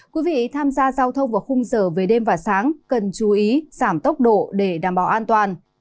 quý vị tham gia giao thông vào khung giờ về đêm và sáng cần chú ý giảm tốc độ để đảm bảo an toàn